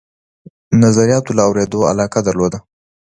نظریاتو له اورېدلو علاقه درلوده.